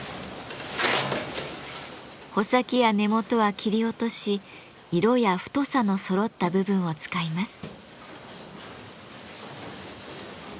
穂先や根元は切り落とし色や太さのそろった部分を使います。